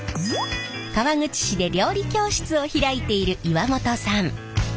川口市で料理教室を開いている岩本さん。